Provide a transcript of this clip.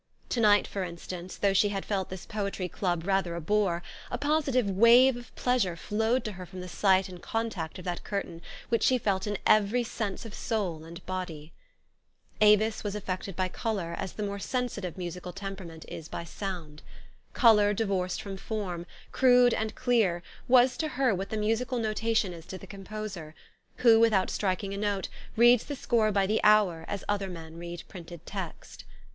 To night, for instance, though she had felt this Poetry Club rather a bore, a positive wave of pleasure flowed to her from the sight and contact of that curtain, which she felt in every sense of soul and body. Avis was affected by color as the more sensitive musical temperament is by sound. Color divorced from form, crude and clear, was to her what the musical notation is to the composer, who, without striking a note, reads the score by the hour as other men read printed text.